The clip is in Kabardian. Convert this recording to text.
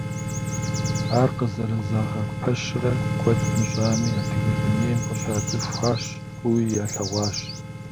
Ар къызэрызэрагъэпэщрэ куэд мыщӏами, адыгэ дунейм къыщацӏыхуащ, фӏыуи ялъэгъуащ.